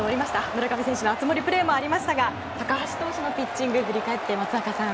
村上選手の熱盛プレーもありましたが高橋投手のピッチングを振り返って、松坂さん。